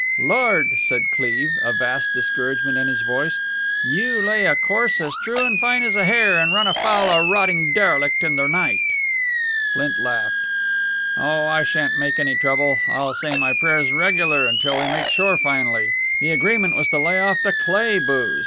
"Lord!" said Cleve, a vast discouragement in his tone. "You lay a course as true and fine as a hair, and run afoul a rotting derelict in the night!" Flint laughed. "Oh, I shan't make any trouble. I'll say my prayers regular until we make shore finally. The agreement was to lay off the Cleigh booze.